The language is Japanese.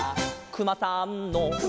「くまさんの」